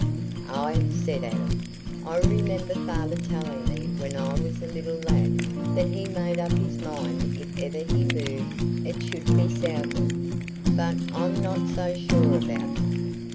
"Ah," said Adam, "I remember father telling me when I was a little lad that he made up his mind if ever he moved it should be south'ard. But I'm not so sure about it.